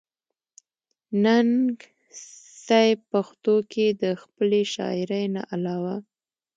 ننګ صېب پښتو کښې َد خپلې شاعرۍ نه علاوه